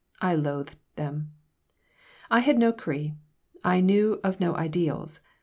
I loathed them I had no creed. I knew of no ideals.